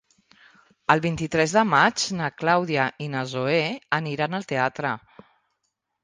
El vint-i-tres de maig na Clàudia i na Zoè aniran al teatre.